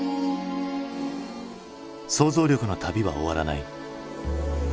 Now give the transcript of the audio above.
想像力の旅は終わらない。